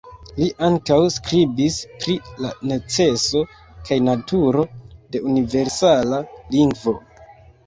Li ankaŭ skribis pri la neceso kaj naturo de universala lingvo.